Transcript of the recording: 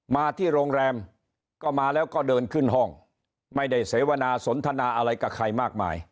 มาที่โรงแรมก็มาแล้วก็เดินขึ้นห้องไม่ได้เสวนาสนทนาอะไรกับใครมากมาย